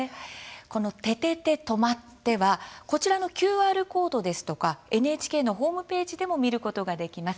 この「ててて！とまって！」はこちらのＱＲコードですとかＮＨＫのホームページでも見ることができます。